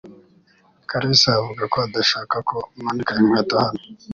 Karisa avuga ko adashaka ko manika inkweto hano